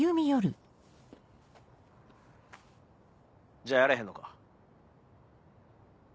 じゃあやれへんのか？